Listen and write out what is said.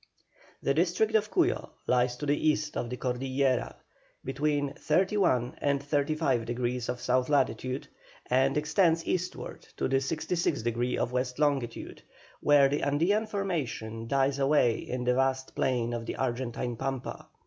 The district of Cuyo lies to the east of the Cordillera, between 31° and 35° south latitude, and extends eastward to the 66° of west longitude, where the Andean formation dies away in the vast plain of the Argentine Pampa.